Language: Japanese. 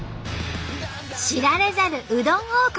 知られざるうどん王国